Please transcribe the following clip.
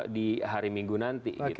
di hari minggu nanti